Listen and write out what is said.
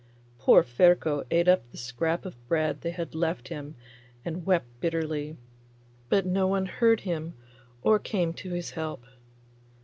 Poor Ferko ate up the scrap of bread they had left him and wept bitterly, but no one heard him or came to his help.